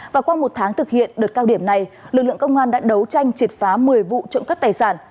và qua một tháng thực hiện đợt cao điểm này lực lượng công an đã đấu tranh triệt phá một mươi vụ trộm cắp tài sản